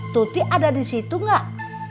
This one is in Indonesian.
tuti ada disitu gak